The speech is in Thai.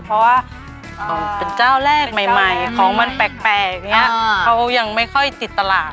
เพราะว่าเป็นเจ้าแรกใหม่ของมันแปลกอย่างนี้เขายังไม่ค่อยติดตลาด